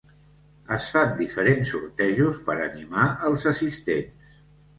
Es fan diferents sortejos per animar els assistents.